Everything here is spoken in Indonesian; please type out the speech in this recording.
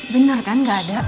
bener kan gak ada